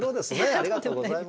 ありがとうございます。